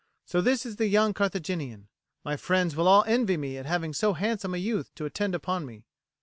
So this is the young Carthaginian? My friends will all envy me at having so handsome a youth to attend upon me.